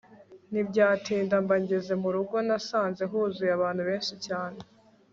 ntibyatinda mba ngeze murugo nasanze huzuye abantu benshi cyane